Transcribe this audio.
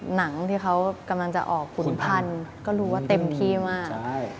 หนังที่เขากำลังจะออกผลพันธุ์ก็รู้ว่าเต็มที่มาก